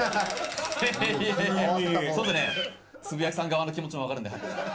つぶやきさん側の気持ちも分かるんで。